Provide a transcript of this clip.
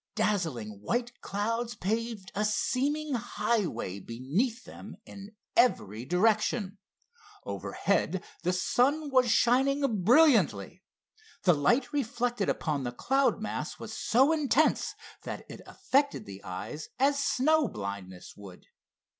Dazzling white clouds paved a seeming highway beneath them in every direction. Overhead the sun was shining brilliantly. The light reflected upon the cloud mass was so intense that it affected the eyes as snow blindness would.